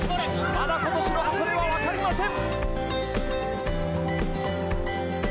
まだ今年の箱根はわかりません！